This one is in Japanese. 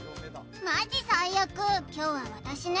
「マジ最悪凶は私ね」